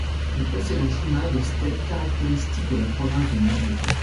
Elle possède un climat de steppe caractéristique de la province de Madrid.